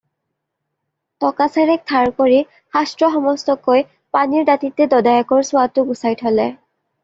টকাচেৰেক ধাৰ কৰি শাস্ত্ৰ-সমস্তকৈ পানীৰ দাঁতিতে দদায়েকৰ চুৱাটো গুচাই থ'লে।